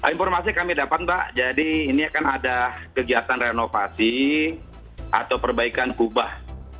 informasi kami dapat pak jadi ini akan ada kegiatan renovasi atau perbaikan kubah